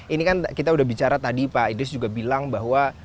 ini kan kita udah bicara tadi pak idris juga bilang bahwa